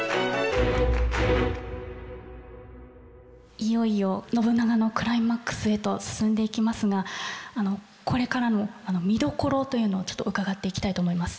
いよいよ信長のクライマックスへと進んでいきますがこれからの見どころというのをちょっと伺っていきたいと思います。